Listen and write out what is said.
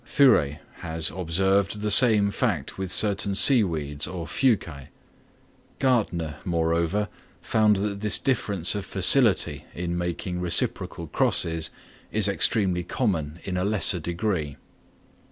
Thuret has observed the same fact with certain sea weeds or Fuci. Gärtner, moreover, found that this difference of facility in making reciprocal crosses is extremely common in a lesser degree.